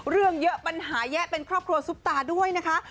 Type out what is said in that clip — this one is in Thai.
เรื่องเยอะปัญหาแยะเป็นครอบครัวซุปตาด้วยนะคะ